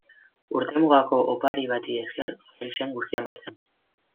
Urtemugako opari bati esker jarri zen guztia martxan.